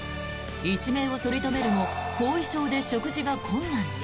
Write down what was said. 一命を取り留めるも後遺症で食事が困難に。